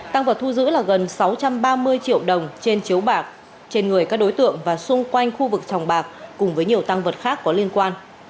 tăng vật thu giữ là gần sáu trăm ba mươi triệu đồng trên chiếu bạc trên người các đối tượng và xung quanh khu vực sòng bạc cùng với nhiều tăng vật khác có liên quan